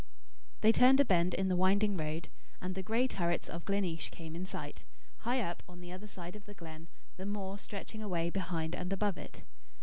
They turned a bend in the winding road, and the grey turrets of Gleneesh came in sight, high up on the other side of the glen, the moor stretching away behind and above it.